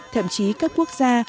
thậm chí cấp quốc gia